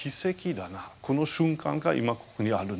この瞬間が今ここにあるんだ。